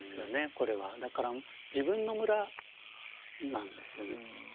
だから自分の村なんですよね。